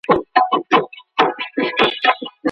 ولي په کورني ژوند کې تفاهم ته اړتيا ده؟